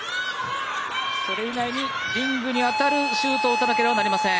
それ以内にリングに当たるシュートを打たなければなりません。